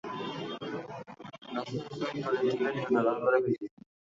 Mrs Smith প্রতি ticket দু-ডলার করে বেচেছেন।